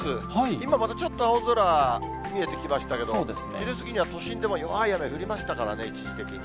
今またちょっと青空、見えてきましたけれども、昼過ぎには都心でも弱い雨、降りましたからね、一時的に。